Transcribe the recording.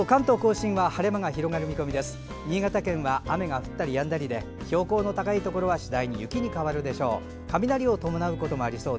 新潟県は雨が降ったりやんだりで標高の高いところは次第に雪に変わるでしょう。